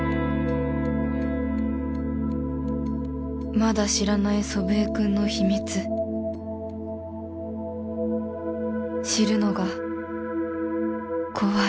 まだ知らない祖父江君の秘密知るのが怖い